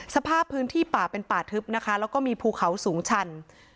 สภาพพื้นที่ป่าเป็นป่าทึบนะคะแล้วก็มีภูเขาสูงชัน